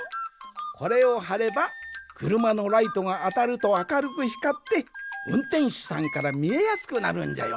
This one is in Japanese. これをはればくるまのライトがあたるとあかるくひかってうんてんしゅさんからみえやすくなるんじゃよ。